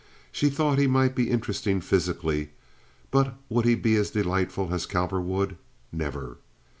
She thought he might be interesting physically, but would he be as delightful as Cowperwood? Never!